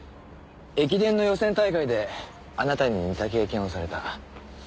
駅伝の予選大会であなたに似た経験をされた。